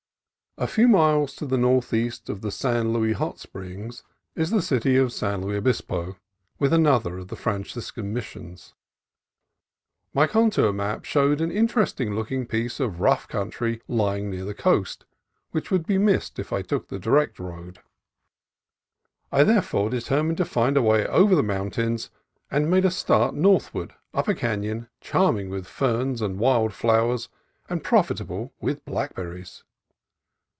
A few miles to the northeast of the San Luis Hot Springs is the city of San Luis Obispo, with another of the Franciscan Missions. My contour map showed an interesting looking piece of rough country lying near the coast, which would be missed if I took the direct road. I therefore determined to find a way over the mountains, and made a start northward up a canon charming with ferns and wild flowers and profitable with blackberries.